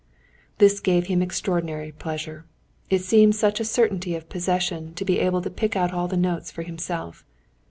This gave him extraordinary pleasure. It seemed such a certainty of possession, to be able to pick out all the notes for himself.